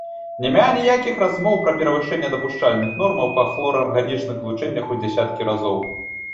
Няма ніякіх размоў пра перавышэнне дапушчальных нормаў па хлорарганічных злучэннях у дзясяткі разоў.